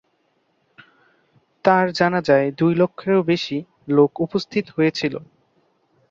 তাঁর জানাজায় দুই লক্ষেরও বেশি লোক উপস্থিত হয়েছিল।